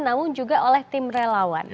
namun juga oleh tim relawan